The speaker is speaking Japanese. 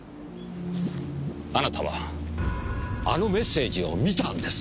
あなたはあのメッセージを見たんです。